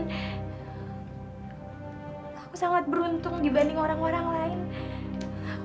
aku sangat beruntung dibanding orang orang lain